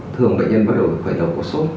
thường bệnh nhân bắt đầu khởi đầu có sốt